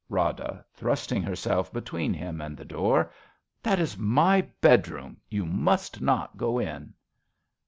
Rada {thrusting herself between him and the door.) That is my bedroom. You must not go in.